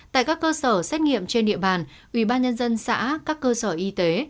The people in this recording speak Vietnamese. tại các cơ sở xét nghiệm trên địa bàn ubnd xã các cơ sở y tế